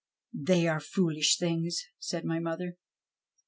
" They are foolish things," said my mother.